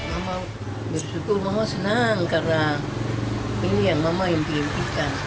mama bersyukur mama senang karena ini yang mama yang dihentikan